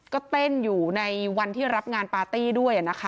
ก็เต้นอยู่ในวันที่รับงานปาร์ตี้ด้วยนะคะ